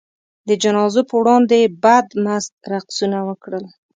د جنازو په وړاندې یې بدمست رقصونه وکړل.